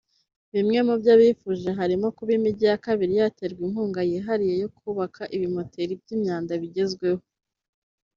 Bimwe mu byo bifuje harimo kuba imijyi ya kabiri yaterwa inkunga yihariye yo kubaka ibimoteri by’imyanda bigezweho